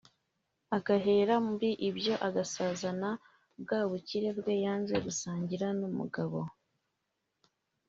agahera muri ibyo akazasazana bwa bukire bwe yanze gusangira n’umugabo